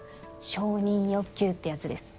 承認欲求ってやつです